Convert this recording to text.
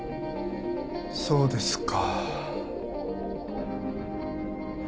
そうですか。